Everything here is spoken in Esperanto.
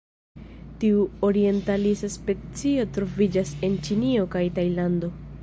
Tiu orientalisa specio troviĝas en Ĉinio kaj Tajlando.